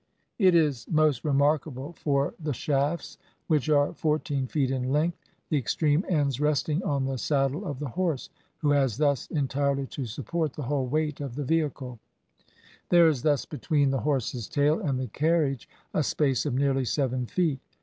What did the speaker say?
It is most remarkable for the shafts, which are fourteen feet in length, the extreme ends resting on the saddle of the horse, who has thus entirely to support the whole weight of the vehicle; there is thus between the horse's tail and the carriage a space of nearly seven feet.